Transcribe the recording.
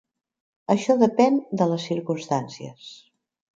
Això depèn de les circumstàncies.